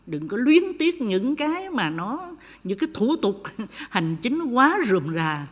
đừng có luyến tiếc những cái mà nó những cái thủ tục hành chính quá rùm rà